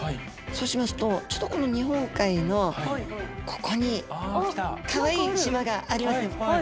そうしますとちょっとこの日本海のここにかわいい島がありますね。